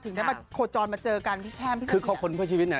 ถึงได้มาโคจรมาเจอกันพี่แชมพี่สะเทียนคือคอคนเพื่อชีวิตเนี้ย